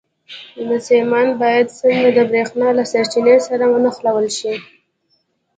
دا سیمان باید څنګه د برېښنا له سرچینې سره ونښلول شي؟